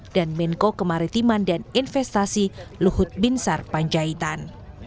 dan menko kemaritiman dan investasi luhut binsar panjaitan